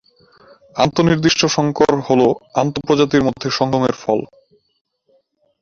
আন্ত-নির্দিষ্ট সংকর হল আন্ত-প্রজাতির মধ্যে সঙ্গমের ফল।